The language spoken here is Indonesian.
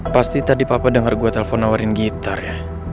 pasti tadi papa denger gue telpon awarin gitar ya